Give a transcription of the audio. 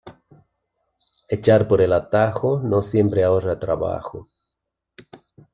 Echar por el atajo no siempre ahorra trabajo.